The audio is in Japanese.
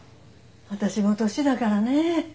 私も年だからねえ。